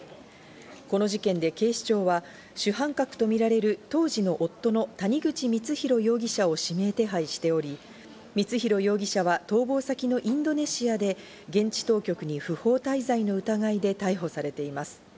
この事件で警視庁は、主犯格とみられる当時の夫の谷口光弘容疑者を指名手配しており、光弘容疑者は逃亡先のインドネシアで現地当局に不法滞在の疑いで逮捕されています。